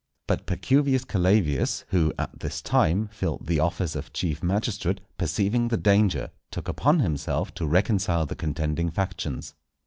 But Pacuvius Calavius, who at this time filled the office of chief magistrate, perceiving the danger, took upon himself to reconcile the contending factions.